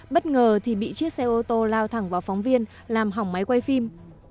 bất ngờ thì bị chiếc xe ô tô lao thẳng vào phóng viên làm hỏng máy quay phim